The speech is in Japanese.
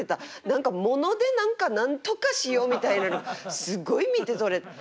何か物で何かなんとかしようみたいなのすごい見て取れて。